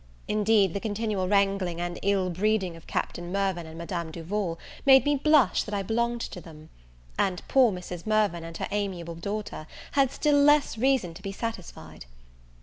Indeed, the continual wrangling and ill breeding of Captain Mirvan and Madame Duval made me blush that I belonged to them. And poor Mrs. Mirvan and her amiable daughter had still less reason to be satisfied.